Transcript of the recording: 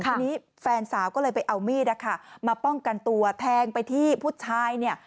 ทีนี้แฟนสาวก็เลยไปเอามีดนะคะมาป้องกันตัวแทงไปที่ผู้ชายเนี่ย